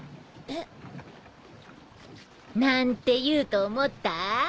えっ！？なんて言うと思った？